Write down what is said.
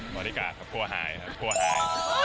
บริการครับพวกหายครับพวกหาย